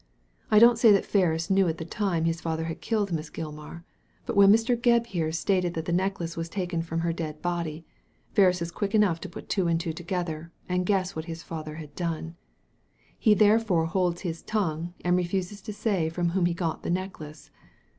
I don't say that Ferris knew at the time his father had killed Miss Gilmar, but when Mr. Gebb here stated that the necklace was taken from her dead body, Ferris is quick enough to put two and two together, and guess what his father had done. He therefore holds his tongue and refuses to say from whom he got the necklace.